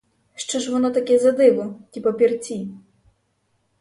Що ж воно таке за диво, ті папірці?!